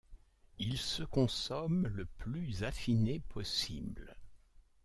Il se consomme le plus affiné possible.